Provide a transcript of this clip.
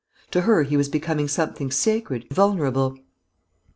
To her he was becoming something sacred, invulnerable.